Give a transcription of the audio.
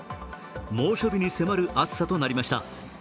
猛暑日に迫る暑さとなりました。